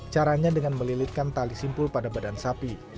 caranya dengan melilitkan tali simpul pada badan sapi